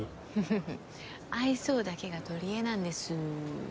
フフフ愛想だけが取り柄なんです。